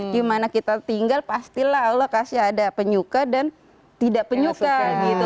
gimana kita tinggal pastilah allah kasih ada penyuka dan tidak penyuka gitu